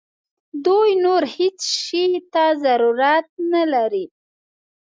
دوی نور هیڅ شي ته ضرورت نه لري.